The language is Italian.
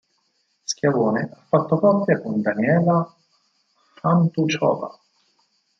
Schiavone ha fatto coppia con Daniela Hantuchová.